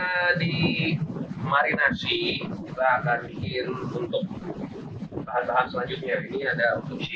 kita akan bikin untuk paha paha selanjutnya ini ada untuk si